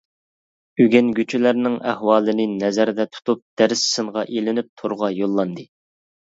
ئۆگەنگۈچىلەرنىڭ ئەھۋالىنى نەزەردە تۇتۇپ، دەرس سىنغا ئېلىنىپ تورغا يوللاندى.